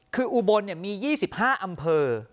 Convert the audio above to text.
คืออุบลมี๒๕อำเภอ